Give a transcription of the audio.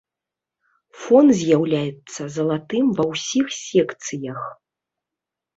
Фон з'яўляецца залатым ва ўсіх секцыях.